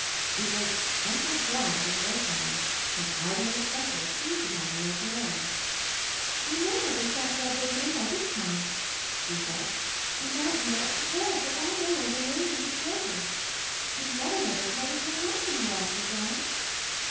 It was "Uncle John" in no time, and Hallie in especial seized upon me as her own. "I know mother's got you all broken in by this time," she said. "And that you are prepared for all manner of amazing dis closures. But Mother never told us how handsome you are, Uncle John!"